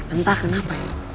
entah kenapa ya